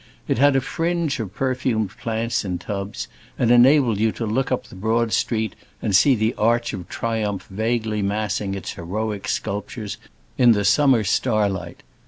It had a fringe of perfumed plants in tubs, and enabled you to look up the broad street and see the Arch of Triumph vaguely massing its heroic sculptures in the summer starlight.